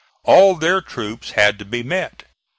All their troops had to be met.